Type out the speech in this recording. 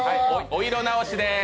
お色直しです！